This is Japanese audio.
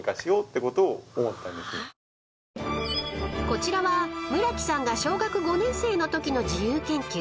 ［こちらは村木さんが小学５年生のときの自由研究］